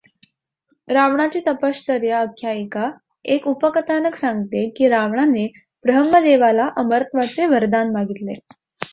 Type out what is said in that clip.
रावणाची तपश्चर्या आख्यायिका एक उपकथानक सांगते की रावणाने ब्रह्मदेवाला अमरत्वाचे वरदान मागितले.